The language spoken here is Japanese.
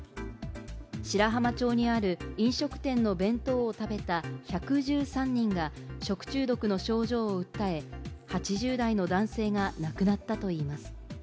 白浜町にある飲食店の弁当を食べた１１３人が食中毒の症状を訴え、８０代の男性が亡くなったといいます。